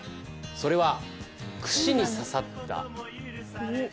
それは串に刺さった。